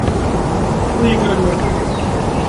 Nwiɣ tefkiḍ-iyi kra n wazal.